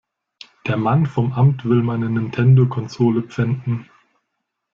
Der Mann vom Amt will meine Nintendo-Konsole pfänden.